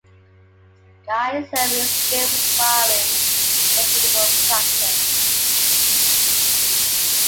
Skysurfing is a skill requiring considerable practice.